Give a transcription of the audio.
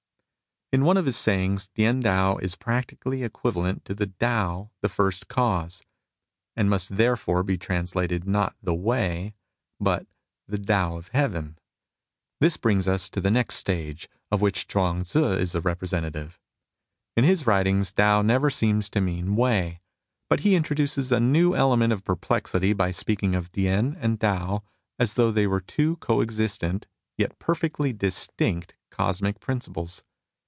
In one of his sayings T^ien Tao is practically equivalent to Tao the First Cause, and must therefore be trans lated not the Way but the Tao of Heaven. This brings us to the next stage, of which Chuang 16 MUSINGS OF A CHINESE MYSTIC Tzu is the representative. In his writings Tao never seems to mean " way." But he introduces a new element of perplexity by speaking of Tien and Tao as though they were two co existent yet perfectly distinct cosmic principles.